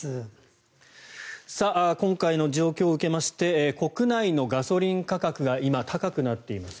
今回の状況を受けまして国内のガソリン価格が今、高くなっています。